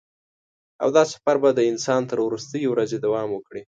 او دا سفر به د انسان تر وروستۍ ورځې دوام وکړي.